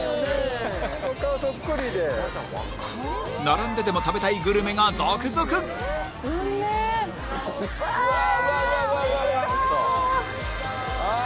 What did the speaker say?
並んででも食べたいグルメが続々うんめうわうわ